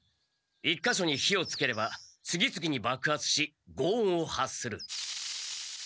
１か所に火をつければ次々にばくはつし轟音を発する。